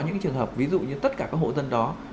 những trường hợp ví dụ như tất cả các hộ dân đó